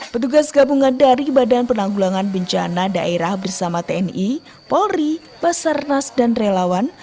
petugas gabungan dari badan penanggulangan bencana daerah bersama tni polri basarnas dan relawan